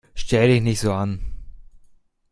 Stell dich nicht so an!